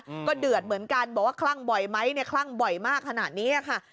อืมก็เดือดเหมือนกันบอกว่าคลั่งบ่อยไหมเนี่ยคลั่งบ่อยมากขนาดเนี้ยค่ะ